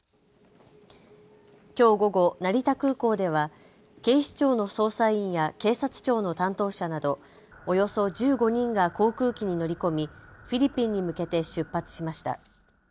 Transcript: きょう午後、成田空港では警視庁の捜査員や警察庁の担当者などおよそ１５人が航空機に乗り込みフィリピンに向けて出発しました。